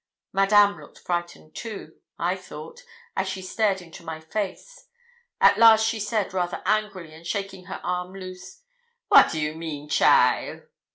Madame looked frightened too, I thought, as she stared into my face. At last she said, rather angrily, and shaking her arm loose 'What you mean, cheaile?'